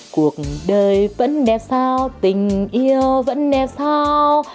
cuộc đời vẫn đẹp sao tình yêu vẫn đẹp sao